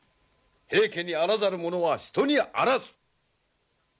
平家にあらざる者は人にあらず！